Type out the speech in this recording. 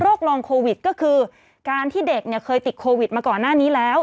ลองโควิดก็คือการที่เด็กเนี่ยเคยติดโควิดมาก่อนหน้านี้แล้ว